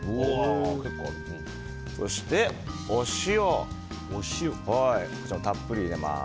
そして、お塩をたっぷり入れます。